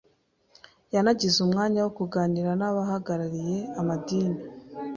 Yanagize umwanya wo kuganira n’abahagarariye amadini,